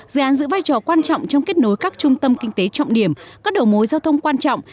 dự án giữ vai trò quan trọng trong kết nối các trung tâm kinh tế trọng điểm các đầu mối giao thông quan trọng